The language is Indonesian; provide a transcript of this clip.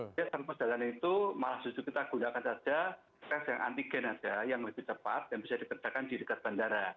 jadi salat perjalanan itu malah susu kita gunakan saja tes yang antigen saja yang lebih cepat dan bisa dikerjakan di dekat bandara